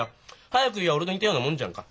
早く言や俺と似たようなもんじゃんか。